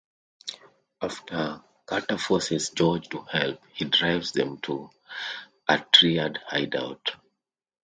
After Carter forces George to help, he drives them to a Triad hideout.